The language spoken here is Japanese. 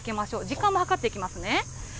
時間も計っていきますね。